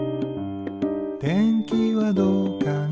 「天気はどうかな？」